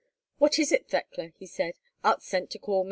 "What is it, Thekla?" he said. "Art sent to call me?"